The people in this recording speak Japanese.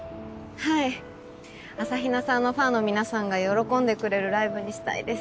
はい朝比奈さんのファンの皆さんが喜んでくれるライブにしたいです。